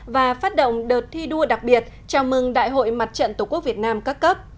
và phát động đợt thi đua đặc biệt chào mừng đại hội mặt trận tổ quốc việt nam các cấp